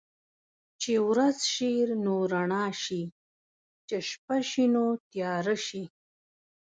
چې ورځ شي نو رڼا شي، چې شپه شي نو تياره شي.